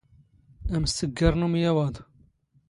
ⴰⵎⵙⵜⴳⴳⴰⵔ ⵏ ⵓⵎⵢⴰⵡⴰⴹ.